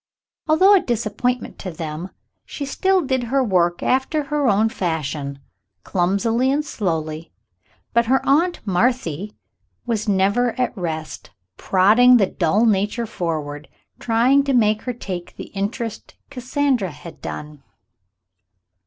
Although a disappointment to them, she still did her work after her own fashion, clumsily and slowly, but her Aunt 'Marthy'was never at rest, prodding the dull nature forward, trying to make her take the inter est Cassandra had done.